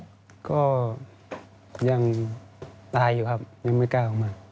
ชิคกี้พายก็ยังตายอยู่ครับยังไม่กล้ากลัวมา